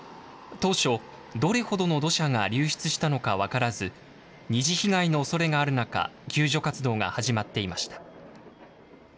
当初、どれほどの土砂が流出したのか分からず、二次被害のおそれがある中、救助活動が始まっていました。